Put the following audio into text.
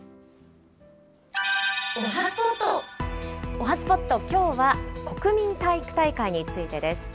おはＳＰＯＴ、きょうは国民体育大会についてです。